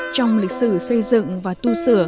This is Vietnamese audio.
trong lịch sử xây dựng và tu sửa